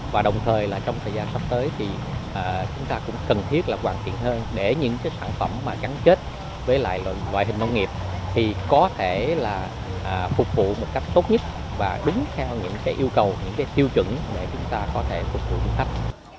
và đồng thời trong thời gian sắp tới chúng ta cũng cần thiết hoàn thiện hơn để những sản phẩm trắng chết với loại hình nông nghiệp có thể phục vụ một cách tốt nhất và đúng theo những yêu cầu những tiêu chuẩn để chúng ta có thể phục vụ du khách